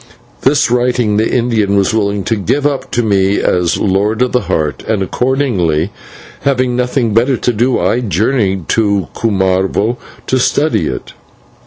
This writing the Indian was willing to give up to me as Lord of the Heart, and accordingly, having nothing better to do, I journeyed to Cumarvo to study it.